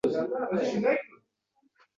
“Bir zamonlar edim har ishga qodir